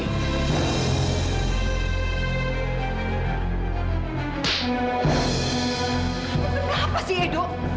kenapa sih edo